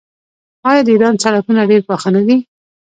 آیا د ایران سړکونه ډیر پاخه نه دي؟